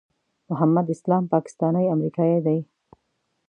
محمد اسلام پاکستانی امریکایی دی.